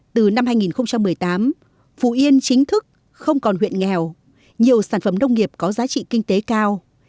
từ năm hai nghìn một mươi tám phú yên chính thức không còn huyện nghèo nhiều sản phẩm nông nghiệp có giá trị kinh tế cao